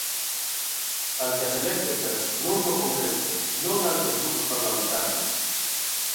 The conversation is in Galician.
Ante as eléctricas, non no Congreso, non ante os grupos parlamentarios.